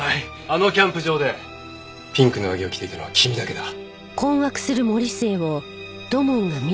あのキャンプ場でピンクの上着を着ていたのは君だけだ。